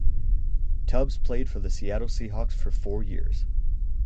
Tubbs played for the Seattle Seahawks for four years.